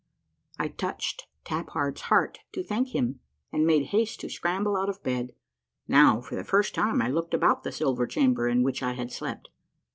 I touched Tap Hard's heart to thank him, and made haste to scramble out of bed. Now, for the first time, I looked about the A MARVELLOUS UNDERGROUND JOURNEY 105 silver chamber in which I had slept.